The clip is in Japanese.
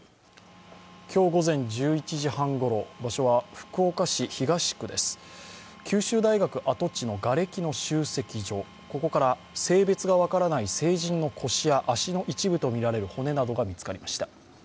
今日午前１１時半ごろ、場所は福岡市東区です、九州大学跡地のがれきの集積場、性別が分からない成人の腰や足の一部とみられる骨などが見つかりました。